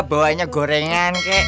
bawanya gorengan kek